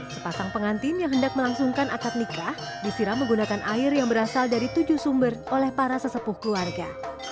sepasang pengantin yang hendak melangsungkan akad nikah disiram menggunakan air yang berasal dari tujuh sumber oleh para sesepuh keluarga